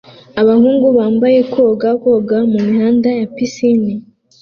Abahungu bambaye kwoga koga mumihanda ya pisine